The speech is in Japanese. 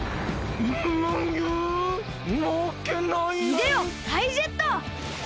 いでよタイジェット！